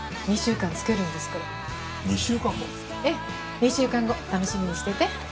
２週間後楽しみにしてて。